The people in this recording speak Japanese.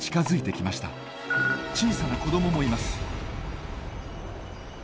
小さな子どももいます。